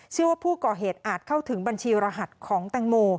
เชื่อว่าผู้ก่อเหตุอาจเข้าถึงบัญชีรหัสของแตงโม